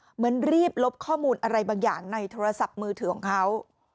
เหมือนรีบลบข้อมูลอะไรบางอย่างในโทรศัพท์มือถือของเขา